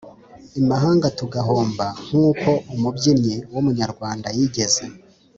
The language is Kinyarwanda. imahanga tugahomba nk uko umubyinnyi w Umunyarwanda yigeze